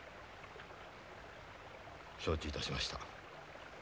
承知いたしました。